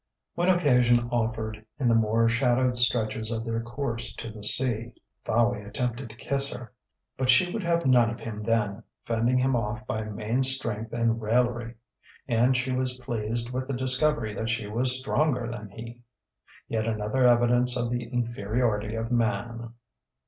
When occasion offered, in the more shadowed stretches of their course to the sea, Fowey attempted to kiss her. But she would have none of him then, fending him off by main strength and raillery; and she was pleased with the discovery that she was stronger than he. Yet another evidence of the inferiority of man!